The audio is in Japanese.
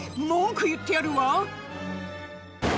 「文句言ってやるわ」